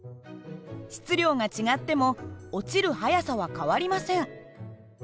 質量が違っても落ちる速さは変わりません。